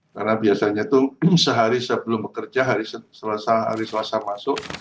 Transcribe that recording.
karena biasanya itu sehari sebelum bekerja hari selasa masuk